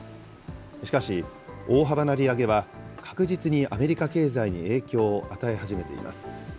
しかし、大幅な利上げは確実にアメリカ経済に影響を与え始めています。